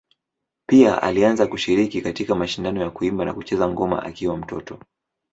Pia alianza kushiriki katika mashindano ya kuimba na kucheza ngoma akiwa mtoto.